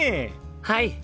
はい！